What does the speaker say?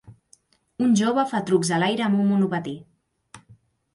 un jove fa trucs a l'aire amb un monopatí